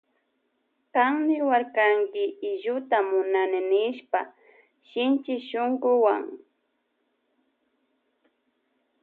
Kan niwarkanki illuta munani nishpa shinchi shunkuwan.